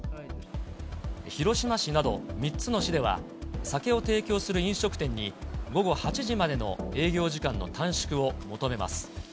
広島市など３つの市では、酒を提供する飲食店に、午後８時までの営業時間の短縮を求めます。